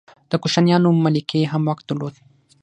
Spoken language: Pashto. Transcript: د کوشانیانو ملکې هم واک درلود